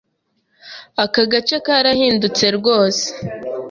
Aka gace karahindutse rwose.